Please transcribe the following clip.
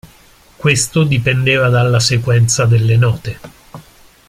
Questo dipendeva dalla sequenza delle note.